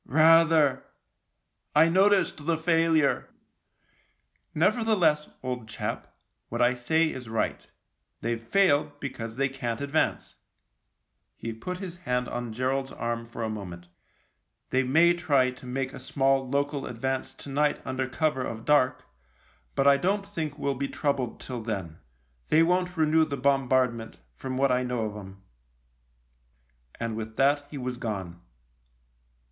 " Rather — I noticed the failure." " Nevertheless, old chap, what I say is right. They've failed because they can't advance." He put his hand on Gerald's arm for a moment. " They may try to make a small local advance to night under cover of dark, but I don't think we'll be troubled till then. They won't renew the bombardment, from what I know of 'em." And with that he was gone.